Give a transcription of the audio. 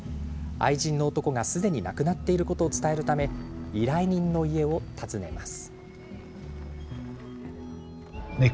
愛人の男がすでに亡くなっていることを伝えるため依頼人の家を訪ねます。